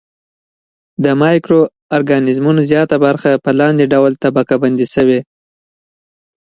د مایکرو ارګانیزمونو زیاته برخه په لاندې ډول طبقه بندي شوې.